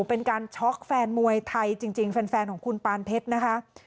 เป็นการช็อกแฟนมวยไทยจริงแฟนของคุณปานเพชรนะคะ